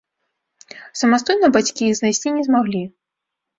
Самастойна бацькі іх знайсці не змаглі.